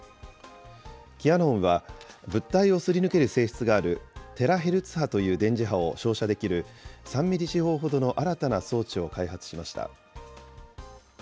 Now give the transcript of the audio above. キヤノンは、物体をすり抜ける性質がある、テラヘルツ波という電磁波を照射できる、３ミリ四方ほどの新たな装置を開発しました。